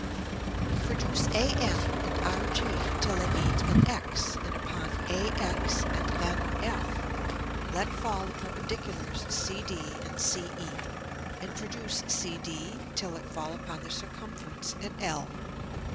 Produce AN and RG, till they meet in X, and upon AX and NF, let fall the Perpendiculars CD and CE, and produce CD till it fall upon the Circumference at L.